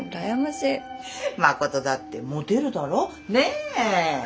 真琴だってモテるだろねえ？